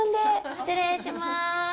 失礼します。